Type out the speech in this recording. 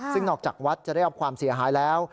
ซึ่งนอกจากวัดจะได้รับความเสียหายแล้ว